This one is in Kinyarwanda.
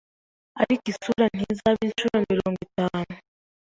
Ariko isura ntizaba inshuro mirongo itanu